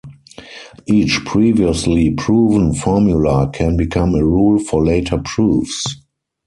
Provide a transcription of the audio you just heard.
Each previously proven formula can become a rule for later proofs.